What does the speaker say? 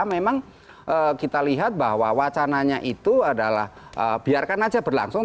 memang kita lihat bahwa wacananya itu adalah biarkan aja berlangsung